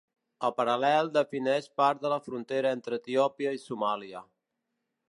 El paral·lel defineix part de la frontera entre Etiòpia i Somàlia.